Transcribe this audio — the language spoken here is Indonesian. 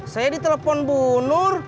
saya ditelepon bu nur